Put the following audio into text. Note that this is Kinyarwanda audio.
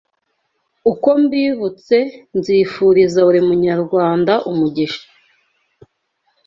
Uko mbibutse nzifuriza buri munyarwanda umugisha